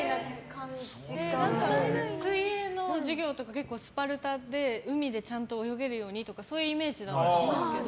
水泳の授業とか結構スパルタで海でちゃんと泳げるようにってそういうイメージだったと思うんですけど。